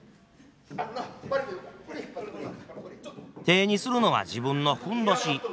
手にするのは自分のふんどし。